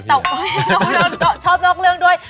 นอกเรื่องชอบนอกเรื่องด้วย